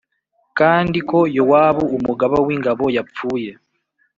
kandi ko Yowabu umugaba w’ingabo yapfuye